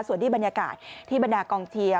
ส่วนที่บรรยากาศที่บรรดากองเชียร์